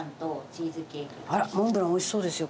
あらモンブラン美味しそうですよ